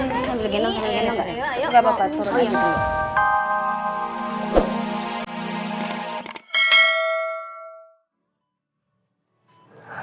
gak apa apa turun aja dulu